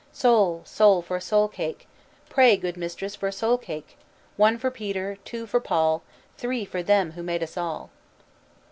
"Soul! Soul! for a soul cake; Pray, good mistress, for a soul cake. One for Peter, two for Paul, Three for them who made us all."